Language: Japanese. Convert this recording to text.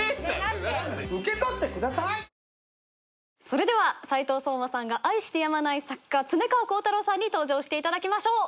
それでは斉藤壮馬さんが愛してやまない作家恒川光太郎さんに登場していただきましょう。